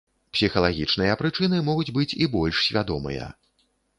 Псіхалагічныя прычыны могуць быць і больш свядомыя.